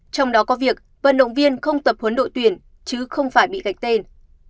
trong đó có việc vận động viên không tập huấn đội tuyển chứ không phải bị gạch tên